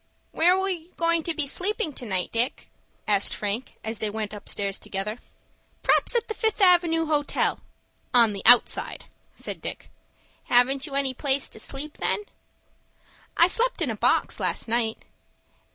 "Where are you going to sleep to night, Dick?" asked Frank, as they went upstairs together. "P'r'aps at the Fifth Avenue Hotel—on the outside," said Dick. "Haven't you any place to sleep, then?" "I slept in a box, last night."